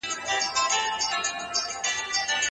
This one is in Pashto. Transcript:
د بدن قوت لپاره میوې وکاروئ.